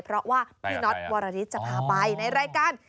เพราะว่าพี่น็อตวรริสจะพาไปในรายการ